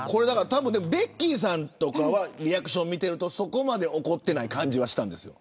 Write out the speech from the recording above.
ベッキーさんとかはリアクション見てるとそこまで怒ってない感じがしたんですよ。